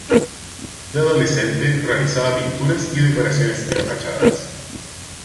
De adolescente, realizaba pinturas y decoraciones en fachadas.